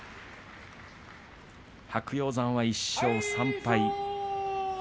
白鷹山、１勝３敗。